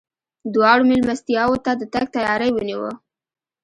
دواړو مېلمستیاوو ته د تګ تیاری ونیو.